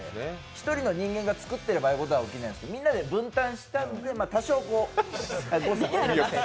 １人の人間が作ってる分にはそうはならないんですけど、みんなで分担したので多少、誤差がね。